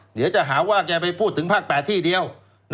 เดี๋ยวจะหาว่าแกไปพูดถึงภาค๘ที่เดียว